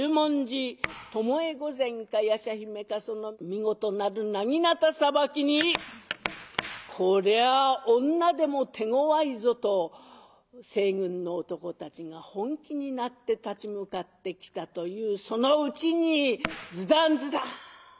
巴御前か夜叉姫かその見事なるなぎなたさばきに「こりゃ女でも手ごわいぞ」と西軍の男たちが本気になって立ち向かってきたというそのうちにズダンズダン！